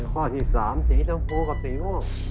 ข้อที่๓สีทั้งพูและสีฟ่อง